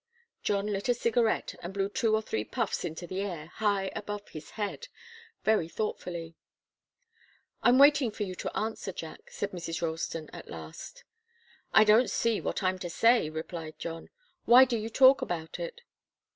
John lit a cigarette and blew two or three puffs into the air, high above his head, very thoughtfully. "I'm waiting for your answer, Jack," said Mrs. Ralston, at last. "I don't see what I'm to say," replied John. "Why do you talk about it?"